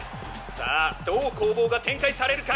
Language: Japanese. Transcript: さあどう攻防が展開されるか！？